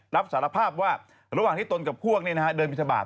รับสารภาพว่าระหว่างที่ตนกับพวกเดินบินทบาท